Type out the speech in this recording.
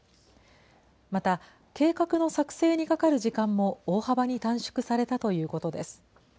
また計画の作成にかかる時間も大幅に短縮されたということです。